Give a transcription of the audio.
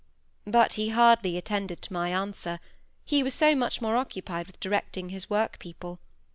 But he hardly attended to my answer, he was so much more occupied with directing his work people.